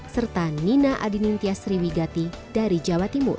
serta nina adinintia sriwigati dari jawa timur